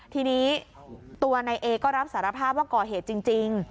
ทีนี้ตัวนายเอก็รับสารภาพว่าก่อเหตุจริง